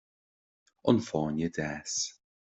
An fáinne deas